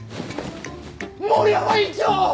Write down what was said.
森山院長！